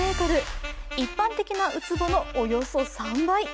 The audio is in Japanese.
一般的なうつぼのおよそ３倍。